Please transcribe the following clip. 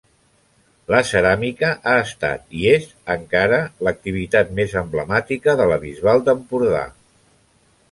La ceràmica ha estat i és encara l’activitat més emblemàtica de la Bisbal d’Empordà.